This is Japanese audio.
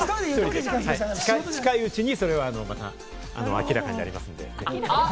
近いうちに、それはまた明らかになりますので。